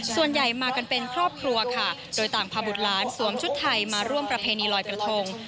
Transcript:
ส่วนใหญ่มากันเป็นครอบครัวค่ะโดยต่างพาบุตรหลานสวมชุดไทยมาร่วมประเพณีลอยกระทง